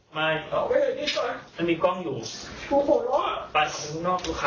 ไปข้างนอกลูกค้าอยู่